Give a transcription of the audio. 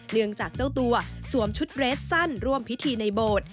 จากเจ้าตัวสวมชุดเรสสั้นร่วมพิธีในโบสถ์